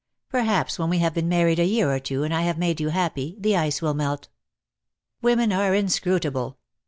Perhaps when we have been married a year or two, and I have made you happy, the ice will melt." "Women are inscrutable.